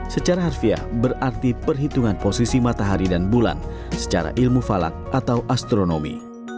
secara harfiah berarti perhitungan posisi matahari dan bulan secara ilmu falak atau astronomi